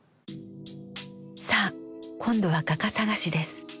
さあ今度は画家探しです。